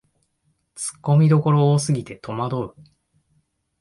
ツッコミどころ多すぎてとまどう